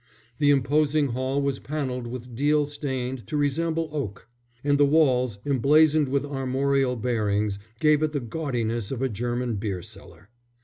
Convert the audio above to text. The imposing hall was panelled with deal stained to resemble oak; and the walls, emblazoned with armorial bearings, gave it the gaudiness of a German beer cellar.